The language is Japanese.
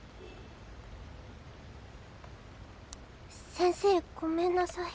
先生ごめんなさい。